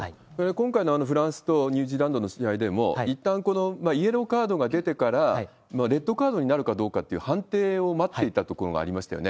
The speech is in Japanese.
今回のフランスとニュージーランドの試合でも、いったんイエローカードが出てから、レッドカードになるかという判定を待っていたところがありましたよね。